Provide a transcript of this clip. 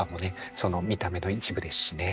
その見た目の一部ですしね。